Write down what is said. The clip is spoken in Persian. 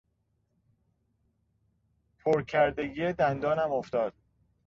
پر کردگی دندانم افتاد.